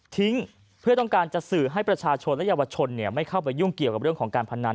เพื่อต้องการจะสื่อให้ประชาชนและเยาวชนไม่เข้าไปยุ่งเกี่ยวกับเรื่องของการพนัน